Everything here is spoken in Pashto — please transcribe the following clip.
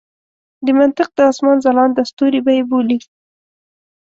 د منطق د اسمان ځلانده ستوري به یې بولي.